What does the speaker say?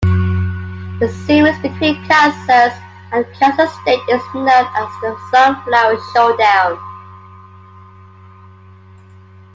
The series between Kansas and Kansas State is known as the Sunflower Showdown.